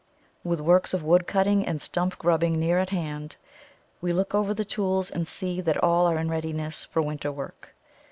With works of wood cutting and stump grubbing near at hand, we look over the tools and see that all are in readiness for winter work.